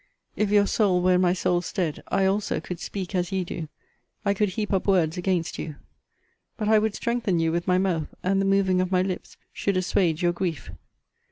If your soul were in my soul's stead, I also could speak as ye do: I could heap up words against you But I would strengthen you with my mouth, and the moving of my lips should assuage your grief.